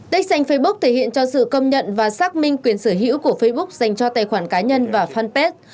đích danh facebook thể hiện cho sự công nhận và xác minh quyền sở hữu của facebook dành cho tài khoản cá nhân và fanpage